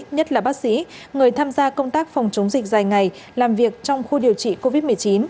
nhất là bác sĩ người tham gia công tác phòng chống dịch dài ngày làm việc trong khu điều trị covid một mươi chín